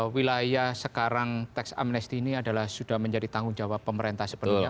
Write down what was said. wilayah sekarang tax amnesty ini adalah sudah menjadi tanggung jawab pemerintah sepenuhnya